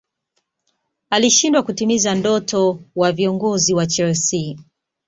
alishindwa kutimiza ndoto wa viongozi wa chelsea